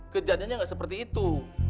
kejadiannya gak seperti itu